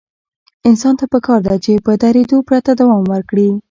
انسان ته پکار ده چې په درېدو پرته دوام ورکړي.